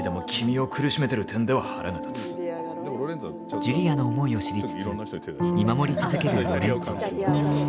ジュリアの思いを知りつつ見守り続けるロレンツォ。